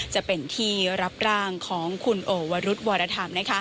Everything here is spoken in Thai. จะเป็นที่รับร่างของคุณโอวรุธวรธรรม